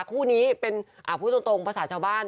คู่นี้เป็นพูดตรงภาษาชาวบ้าน